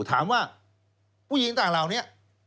ถามว่าผู้หญิงต่างเหล่านี้